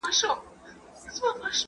طبیب غوښي وې د چرګ ور فرمایلي `